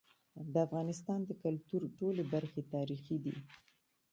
د افغانستان د کلتور ټولي برخي تاریخي دي.